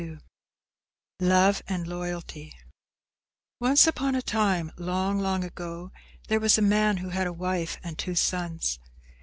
"_ LOVE AND LOYALTY Once upon a time, long, long ago, there was a man who had a wife and two sons.